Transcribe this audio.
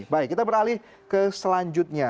baik kita beralih ke selanjutnya